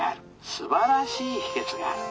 すばらしい秘けつがある。